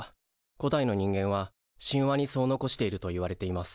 古代の人間は神話にそう残しているといわれています。